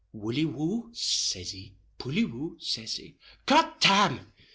"Woully wou," says he, "pully wou," says he—"Cot tam!"